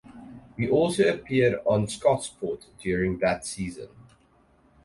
He also appeared on "Scotsport" during that season.